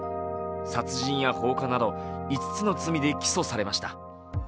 殺人や放火など５つの罪で起訴されました。